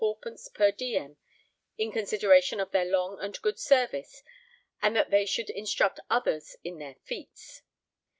_ per diem in consideration of their long and good service and that they should instruct others in their feats.'